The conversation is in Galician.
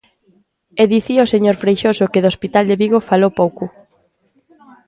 E dicía o señor Freixoso que do hospital de Vigo falo pouco.